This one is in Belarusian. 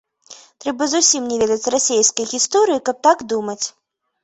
Трэба зусім не ведаць расейскай гісторыі, каб так думаць.